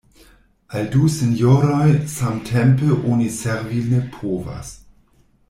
Al du sinjoroj samtempe oni servi ne povas.